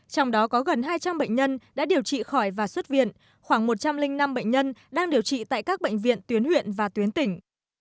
trong đó có gần hai trăm linh bệnh nhân đã điều trị khỏi và xuất viện khoảng một trăm linh năm bệnh nhân đang điều trị tại các bệnh viện tuyến huyện và tuyến tỉnh